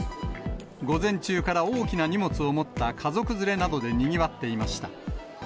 午前中から大きな荷物を持った家族連れなどでにぎわっていました。